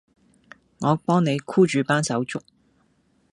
我幫你箍住班手足